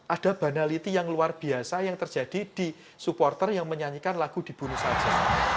ada banaliti yang luar biasa yang terjadi di supporter yang menyanyikan lagu dibunuh saja